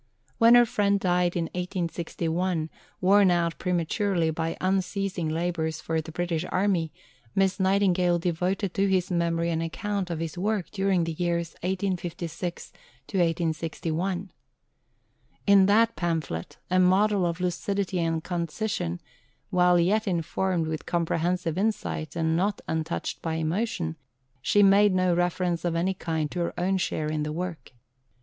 When her friend died in 1861, worn out prematurely by unceasing labours for the British Army, Miss Nightingale devoted to his memory an account of his work during the years 1856 1861. In that pamphlet a model of lucidity and concision while yet informed with comprehensive insight, and not untouched by emotion she made no reference of any kind to her own share in the work.